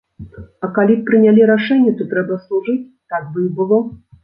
Але калі б прынялі рашэнне, што трэба служыць, так бы і было.